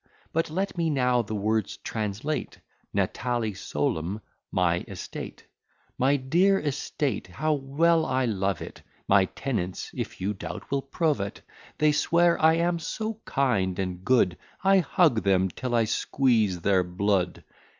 But let me now the words translate: Natale solum, my estate; My dear estate, how well I love it, My tenants, if you doubt, will prove it, They swear I am so kind and good, I hug them till I squeeze their blood.